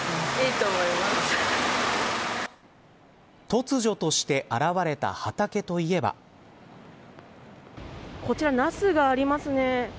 突如として現れた畑といえばこちら、なすがありますね。